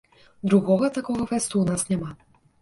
Другога такога фэсту ў нас няма.